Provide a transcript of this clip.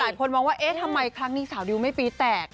ก็บอกหลายคนว่าเอ๊ะทำไมครั้งนี้สาวดิวไม่ปี๊ดแตก